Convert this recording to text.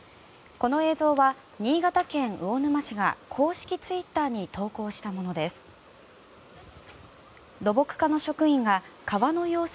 この映像は新潟県魚沼市が公式ツイッターに投稿したものです。